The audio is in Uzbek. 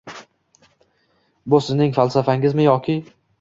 Bu sizning falsafangizmi yoki?